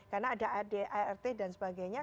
karena ada art dan sebagainya